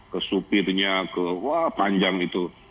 ke supirnya ke wah panjang itu